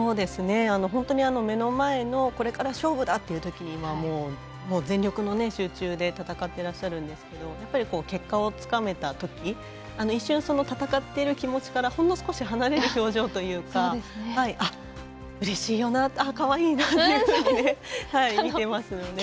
本当に目の前のこれから勝負だっていうときにもう全力の集中で戦ってらっしゃるんですけどやっぱり結果をつかめたとき一瞬、戦っている気持ちからほんの少し離れる表情というかうれしいよなかわいいなと思って見ていますよね。